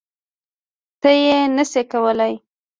ته یی نه سی کولای